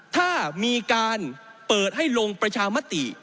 ถ้ามีการเปิดให้ลงประชามติ